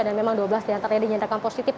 dan memang dua belas diantaranya dinyatakan positif